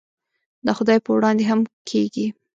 د خدای په وړاندې هم کېږي.